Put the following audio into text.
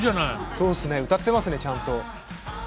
そうっすね歌ってますねちゃんと。